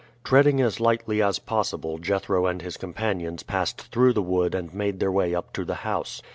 Treading as lightly as possible Jethro and his companions passed through the wood and made their way up to the house.